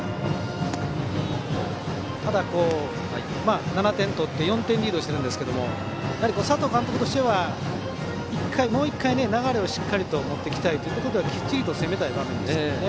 ただ、７点取って４点リードしていますが佐藤監督としてはもう１回流れをしっかりと持ってきたいということできっちりと攻めたい場面ですね。